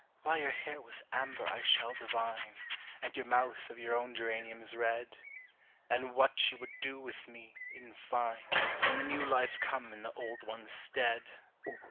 Why your hair was amber I shall divine, And your mouth of your own geranium's red, And what you would do with me, in fine, In the new life come in the old one's stead.